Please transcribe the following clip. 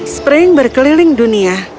spring berkeliling dunia